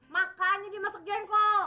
makannya dimasuk jengkol